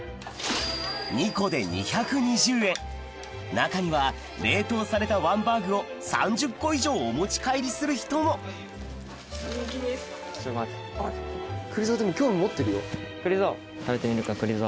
中には冷凍されたワンバーグを３０個以上お持ち帰りする人もくり蔵。